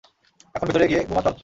এখন ভেতরে গিয়ে ঘুমা চল।